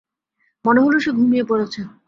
মনে হলো সে ঘুমিয়ে পড়েছে।